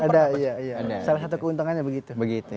ada salah satu keuntungannya begitu